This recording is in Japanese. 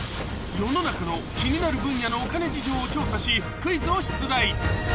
［世の中の気になる分野のお金事情を調査しクイズを出題］